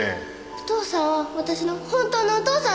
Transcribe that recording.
お父さんは私の本当のお父さんだよね？